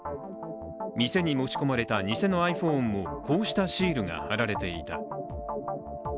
店に持ち込まれた偽のｉＰｈｏｎｅもこうしたシールが貼られていた。